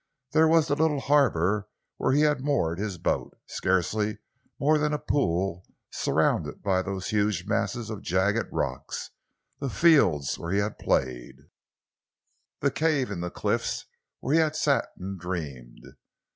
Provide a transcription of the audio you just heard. There was the little harbour where he had moored his boat, scarcely more than a pool surrounded by those huge masses of jagged rocks; the fields where he had played, the cave in the cliffs where he had sat and dreamed.